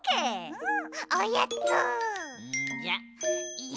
うん！